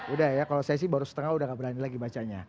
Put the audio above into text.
udah ya kalau saya sih baru setengah udah gak berani lagi bacanya